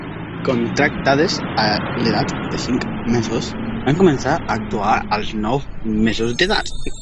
Contractades a l'edat de cinc mesos, van començar a actuar als nou mesos d'edat.